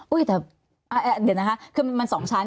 แต่เดี๋ยวนะคะคือมัน๒ชั้น